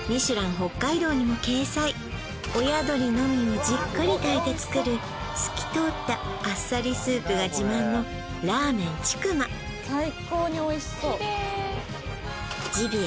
北海道にも掲載親鳥のみをじっくり炊いて作る透き通ったあっさりスープが自慢のラーメン竹馬ジビエ